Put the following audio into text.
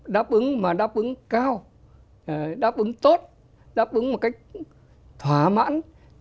đáp ứng mà đáp ứng cao đáp ứng tốt đáp ứng một cách thỏa mãn